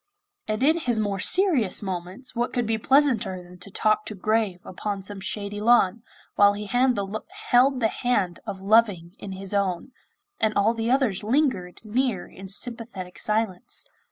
And in his more serious moments what could be pleasanter than to talk to Grave upon some shady lawn, while he held the hand of Loving in his own, and all the others lingered near in sympathetic silence?